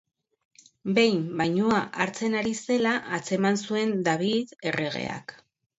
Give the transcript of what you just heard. Behin, bainua hartzen ari zela atzeman zuen David erregeak.